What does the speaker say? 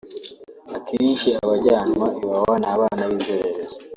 Akenshi abajyanwa Iwawa n’abana b’inzererezi